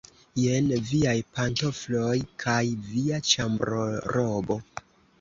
Jen viaj pantofloj kaj via ĉambrorobo.